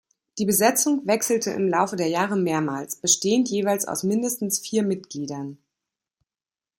Die Besetzung wechselte im Laufe der Jahre mehrmals, bestehend jeweils aus mindestens vier Mitgliedern.